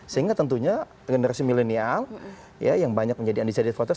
sehingga tentunya generasi milenial yang banyak menjadi undecided voters